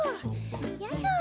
よいしょ。